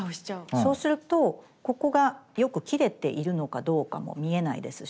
そうするとここがよく切れているのかどうかも見えないですし。